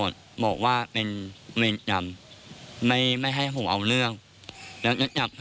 ผมก็เลยไปแจ้งความ